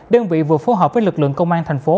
đơn vị vừa phối hợp với lực lượng công an thành phố